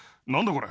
これ。